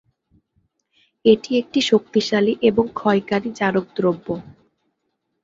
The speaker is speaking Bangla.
এটি একটি শক্তিশালী এবং ক্ষয়কারী জারক দ্রব্য।